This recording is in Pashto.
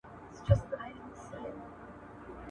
که ته غواړې نو زه درسره مرسته کوم.